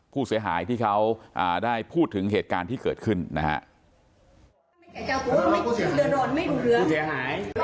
ผู้เสียหายที่เขาได้พูดถึงเหตุการณ์ที่เกิดขึ้นนะฮะ